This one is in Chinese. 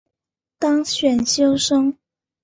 当选修生